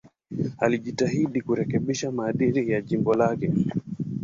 Alijitahidi kurekebisha maadili ya jimbo lake.